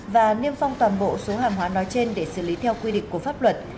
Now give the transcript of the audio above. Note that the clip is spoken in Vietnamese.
và niêm phong toàn bộ số hàng hóa nói trên để xử lý theo quy định của pháp luật